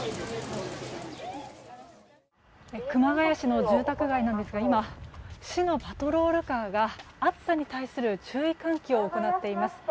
熊谷市の住宅街ですが今、市のパトロールカーが暑さに対する注意喚起を行っています。